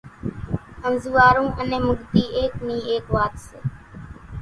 انزوئارُو انين مُڳتي ايڪ نِي ايڪ وات سي